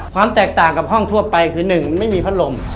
ความแตกต่างกับห้องทั่วไปคือ๑ไม่มีพัดลม